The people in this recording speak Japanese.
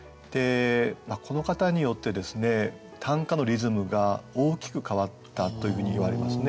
この方によって短歌のリズムが大きく変わったというふうにいわれますね。